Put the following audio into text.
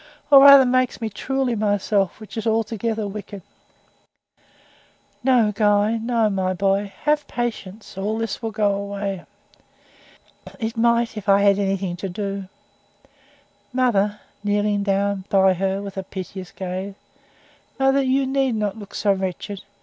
Or rather makes me truly MYSELF, which is altogether wicked." "No, Guy no, my own boy. Have patience all this will pass away." "It might, if I had anything to do. Mother," kneeling down by her with a piteous gaze "mother, you need not look so wretched.